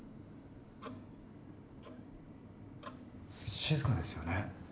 静かですよね。